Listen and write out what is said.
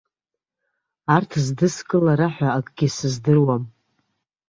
Арҭ здыскылара ҳәа акгьы сыздыруам.